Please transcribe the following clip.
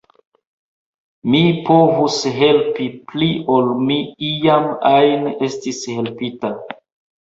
Mi povus helpi pli ol mi iam ajn estis helpita.